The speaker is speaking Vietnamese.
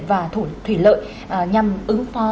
và thủy lợi nhằm ứng phó